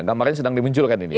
gak marah sedang dimunculkan ini ya